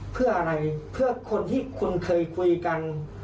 เพื่ออะไรเพื่อคนที่คุณเคยคุยกัน